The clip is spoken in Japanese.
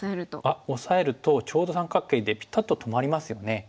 あっオサえるとちょうど三角形でピタッと止まりますよね。